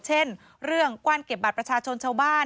เช่นเรื่องกว้านเก็บบัตรประชาชนชาวบ้าน